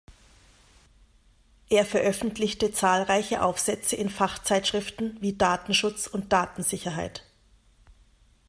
Er veröffentlichte zahlreiche Aufsätze in Fachzeitschriften wie Datenschutz und Datensicherheit.